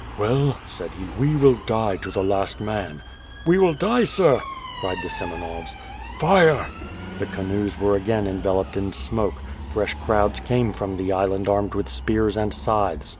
"Well,*' said he, "we will die to the last man." "We will die, sir?" cried the Semenovs. "Fire!" The canoes were again enveloped in smoke; fresh crowds came from the island armed with spears and scythes.